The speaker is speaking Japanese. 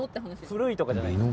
古いとかじゃないです。